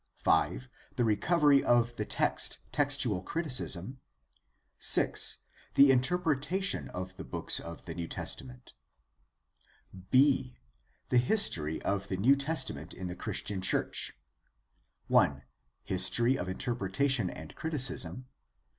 5. The recovery of the text: Textual criticism. 6. The interpretation of the books of the New Testament. II. The History of the New Testament in the Christian Church. 1. History of interpretation and criticism.